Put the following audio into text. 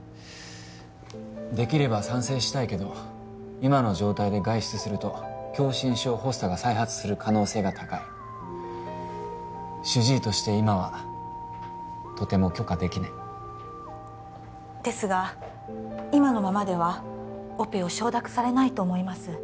できれば賛成したいけど今の状態で外出すると狭心症発作が再発する可能性が高い主治医として今はとても許可できないですが今のままではオペを承諾されないと思います